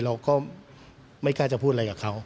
เราก็ไม่กล้าจะพูดอะไรกับเขา